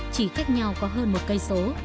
chỉ cách nhau có hơn một cây số